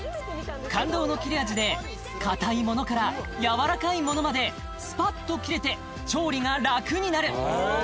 感動の切れ味で硬いものからやわらかいものまでスパッと切れて調理がラクになる！